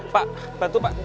pak bantu pak